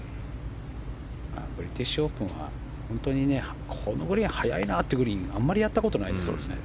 ブリティッシュオープンはこのグリーン、速いなというグリーンはあんまりやったことないですね。